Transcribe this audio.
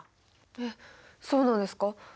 えっそうなんですか？